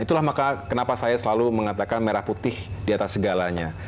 itulah maka kenapa saya selalu mengatakan merah putih di atas segalanya